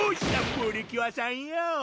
プリキュアさんよう！